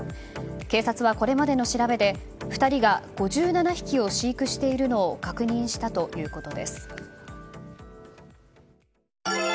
警察はこれまでの調べで２人が５７匹を飼育しているのを確認したということです。